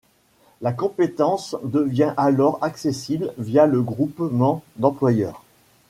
La compétence devient alors accessible via le groupement d'employeurs.